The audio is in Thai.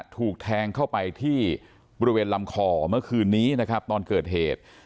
ถูกแทงเข้าไปที่บริเวณลำคอเมื่อคืนนี้นะครับตอนเกิดเหตุ